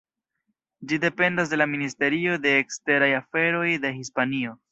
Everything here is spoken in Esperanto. Ĝi dependas de la Ministerio de Eksteraj Aferoj de Hispanio.